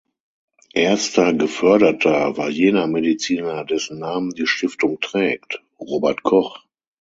Erster Geförderter war jener Mediziner, dessen Namen die Stiftung trägt: Robert Koch.